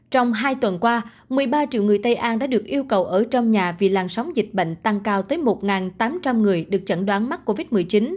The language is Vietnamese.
trong hai tuần qua một mươi ba triệu người tây an đã được yêu cầu ở trong nhà vì làn sóng dịch bệnh tăng cao tới một tám trăm linh người được chẩn đoán mắc covid một mươi chín